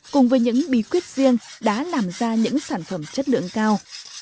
cùng với những bí quyết riêng đã làm ra những sản phẩm chất lượng cao